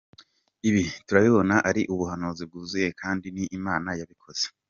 Ibi turabibona ari ubuhanuzi bwuzuye kandi ni Imana yabikoze.